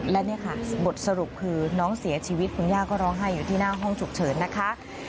และนี่ค่ะบทสรุปคือน้องเสียชีวิตคุณย่าก็ร้องไห้อยู่ที่หน้าห้องฉุกเฉินนะคะ